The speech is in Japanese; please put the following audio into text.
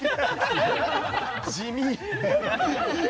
地味。